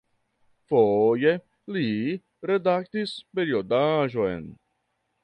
Foje li redaktis periodaĵon.